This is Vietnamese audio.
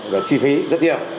và chi phí rất nhiều